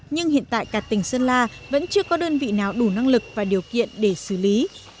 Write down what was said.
nhưng hiện tại cả tỉnh sơn la vẫn chưa có đơn vị nào đủ năng lực và điều kiện để xử lý